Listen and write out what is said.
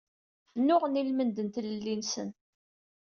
Nnuɣen i lmend n tlelli-nsen.